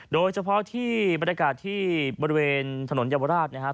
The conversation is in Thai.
โดยเฉพาะที่บรรยากาศที่บริเวณถนนเยาวราชนะครับ